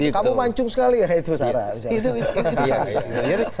kamu mancung sekali ya itu sekarang